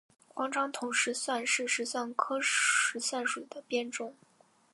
黄长筒石蒜是石蒜科石蒜属的变种。